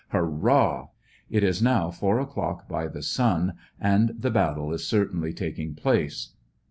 Hurrah! It is now four o'clock by the sun and the bat tle is certainly taking place.